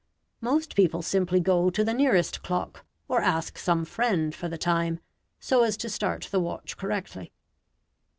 Most people simply go to the nearest clock, or ask some friend for the time, so as to start the watch correctly.